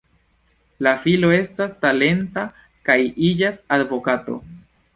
La filo estas talenta kaj iĝas advokato.